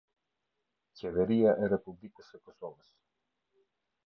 Qeveria e Republikës së Kosovës.